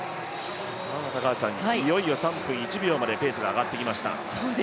いよいよ３分１秒までペースが上がってきました。